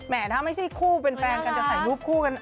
ถ้าไม่ใช่คู่เป็นแฟนกันจะใส่รูปคู่กัน